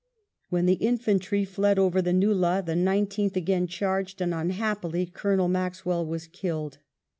When the infantry fled over the nullah, the Nineteenth again charged,. and unhappily Colonel Maxwell was killed.